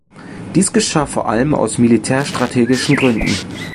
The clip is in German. Dies geschah vor allem aus militärstrategischen Gründen.